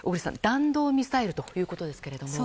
弾道ミサイルということですが。